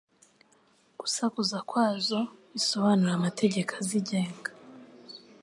Gusakuza kwazo bisobanure amategeko azigenga